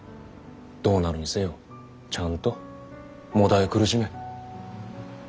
どうなるにせよちゃんともだえ苦しめ。